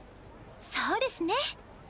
そうですね。